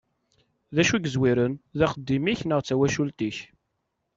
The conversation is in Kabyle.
D acu i yezwaren, d axeddim-ik neɣ d tawacult-ik?